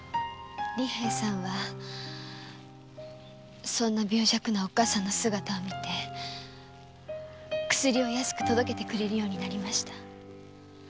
利平さんはそんな病弱なおっかさんの姿を見て薬を安く届けてくれるようになりました。